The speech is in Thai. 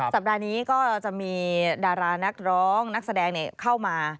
สัปดาห์นี้ก็จะมีดารานักร้องนักแสดงเข้ามา